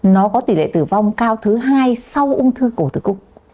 nó có tỷ lệ tử vong cao thứ hai sau ung thư cổ tử cung